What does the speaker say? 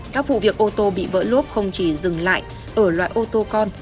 các vụ việc ô tô bị vỡ luốc không chỉ dừng lại ở loại ô tô con